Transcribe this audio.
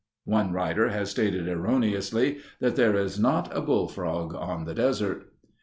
(One writer has stated erroneously that there is not a bullfrog on the desert.)